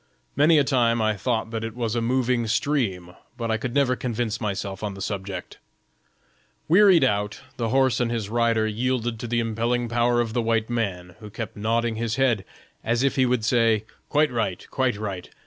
Many a time I thought that it was a moving stream, but I could never convince myself on the subject. Wearied out, the horse and his rider yielded to the impelling power of the white man, who kept nodding his head, as if he would say, 'Quite right, quite right!'